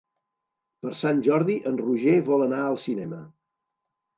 Per Sant Jordi en Roger vol anar al cinema.